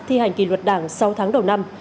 thi hành kỳ luật đảng sau tháng đầu năm